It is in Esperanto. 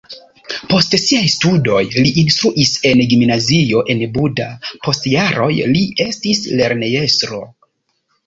Post siaj studoj li instruis en gimnazio en Buda, post jaroj li estis lernejestro.